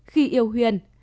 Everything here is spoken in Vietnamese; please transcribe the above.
khi yêu huyền